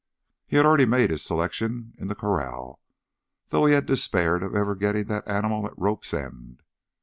He had already made his selection in the corral, though he had despaired of ever getting that animal at rope's end.